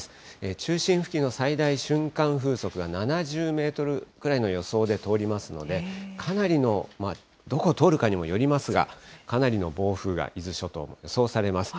中心付近の最大瞬間風速が７０メートルくらいの予想で通りますので、かなりの、どこを通るかにもよりますが、かなりの暴風が、伊豆諸島、予想されます。